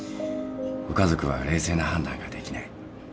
ご家族は冷静な判断ができない。